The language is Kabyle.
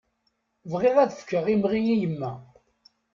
Bɣiɣ ad fkeɣ imɣi i yemma.